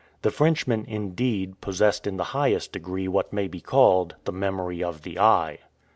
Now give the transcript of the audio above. The Frenchman indeed possessed in the highest degree what may be called "the memory of the eye."